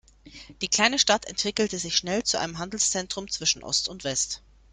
Die kleine Stadt entwickelte sich schnell zu einem Handelszentrum zwischen Ost und West.